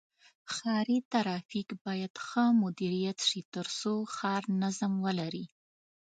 ښاري ترافیک باید ښه مدیریت شي تر څو ښار نظم ولري.